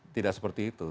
tidak seperti itu